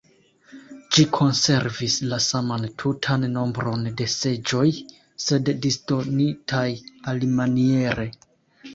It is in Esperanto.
Ĝi konservis la saman tutan nombron de seĝoj, sed disdonitaj alimaniere.